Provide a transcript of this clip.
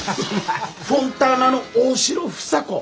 フォンターナの大城房子